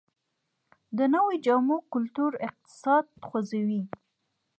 د نویو جامو کلتور اقتصاد خوځوي